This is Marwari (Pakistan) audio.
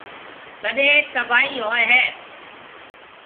تڏيَ تباهائِي هوئي هيَ۔